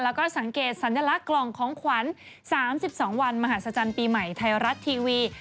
แล้วก็สังเกตสัญลักษณ์กล่องของขวัญ๓๒วันมหาศจรรย์ปีใหม่ไทยรัฐทีวี